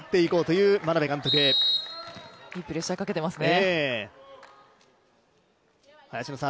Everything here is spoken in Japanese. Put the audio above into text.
いいプレッシャーをかけていますね。